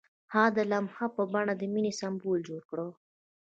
هغه د لمحه په بڼه د مینې سمبول جوړ کړ.